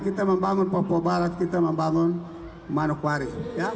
kita membangun papua barat kita membangun manokwari